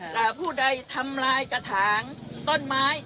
ผู้ใดทำลายกระถางต้นไม้